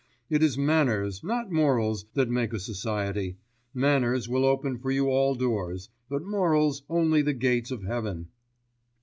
It is manners not morals that make a society. Manners will open for you all doors; but morals only the gates of heaven."